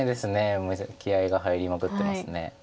気合いが入りまくってます。